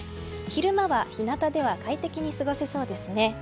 昼間は日なたでは快適に過ごせそうですね。